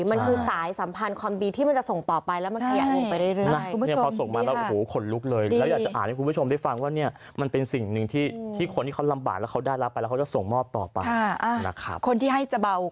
มันคือสายสัมพันธ์ความบีที่มันจะส่งต่อไป